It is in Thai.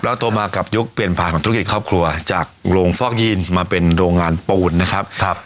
แล้วโตมากับยุคเปลี่ยนผ่านธุรกิจครอบครัวจากโรงฟอกยีนมาเป็นโรงงานปูนนะครับ